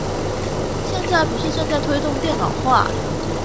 現在不是正在推動電腦化？